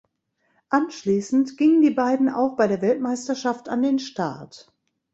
Anschließend gingen die beiden auch bei der Weltmeisterschaft an den Start.